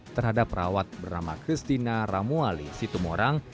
terhadap perawat bernama christina ramuali situmorang